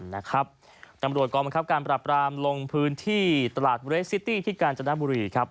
อปลูกกำลับกราบการปรับพรามลงพื้นที่ตลาดเบอร์เวสซิตี้ที่กาญจนบุหรี